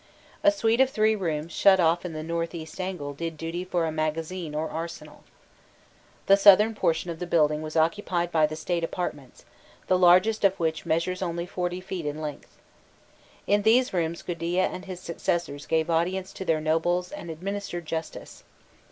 A suite of three rooms shut off in the north east angle did duty for a magazine or arsenal. The southern portion of the building was occupied by the State apartments, the largest of which measures only 40 feet in length. In these rooms Gudea and his successors gave audience to their nobles and administered justice.